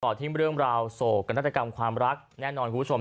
ต่อที่เริ่มราวโสกกับนักอัตรกรรมความรักแน่นอนคุณผู้ชม